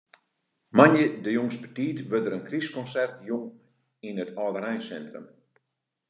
Moandei de jûns betiid wurdt der in krystkonsert jûn yn it âldereinsintrum.